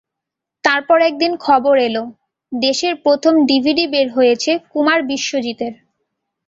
তারপর একদিন খবর এল, দেশের প্রথম ডিভিডি বের হয়েছে কুমার বিশ্বজিতের।